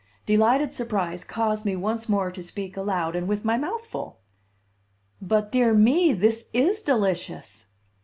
Delighted surprise caused me once more to speak aloud, and with my mouth full. "But, dear me, this Is delicious!"